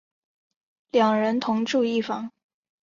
两人同住一房。